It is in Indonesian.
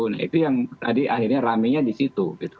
nah itu yang tadi akhirnya ramenya di situ